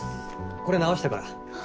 これ直したから。